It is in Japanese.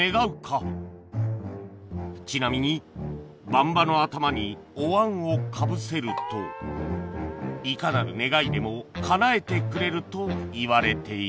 ちなみにばんばの頭にお椀をかぶせるといかなる願いでも叶えてくれると言われている